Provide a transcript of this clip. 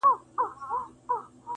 ناګهانه یې د بخت کاسه چپه سوه,